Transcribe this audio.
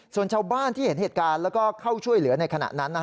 ส่วนชาวบ้านที่เห็นเหตุการณ์แล้วก็เข้าช่วยเหลือในขณะนั้น